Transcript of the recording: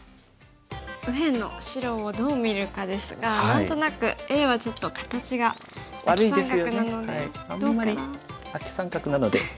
右辺の白をどう見るかですが何となくＡはちょっと形がアキ三角なのでどうかな。